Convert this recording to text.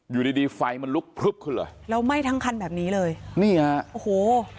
อยู่ดีดีไฟมันลุกพลึบขึ้นเลยแล้วไหม้ทั้งคันแบบนี้เลยนี่ฮะโอ้โห